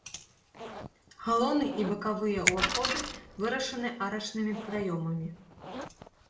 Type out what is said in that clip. Галоўны і бакавыя ўваходы вырашаны арачнымі праёмамі.